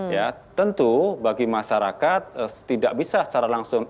ya tentu bagi masyarakat tidak bisa secara langsung